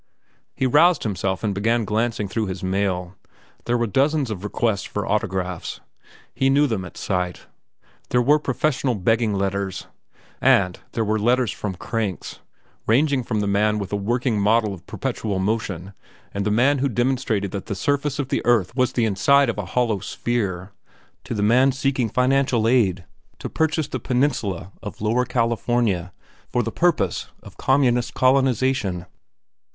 He roused himself and began glancing through his mail. There were a dozen requests for autographs—he knew them at sight; there were professional begging letters; and there were letters from cranks, ranging from the man with a working model of perpetual motion, and the man who demonstrated that the surface of the earth was the inside of a hollow sphere, to the man seeking financial aid to purchase the Peninsula of Lower California for the purpose of communist colonization.